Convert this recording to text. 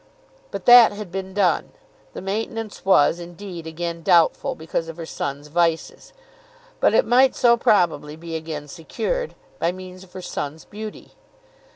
But that had been done. The maintenance was, indeed, again doubtful, because of her son's vices; but it might so probably be again secured, by means of her son's beauty!